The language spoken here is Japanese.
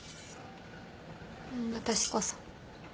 私こそ。